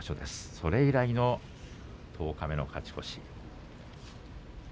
それ以来の十日目の勝ち越し。